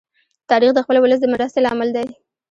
تاریخ د خپل ولس د مرستی لامل دی.